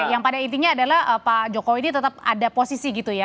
yang pada intinya adalah pak jokowi ini tetap ada posisi gitu ya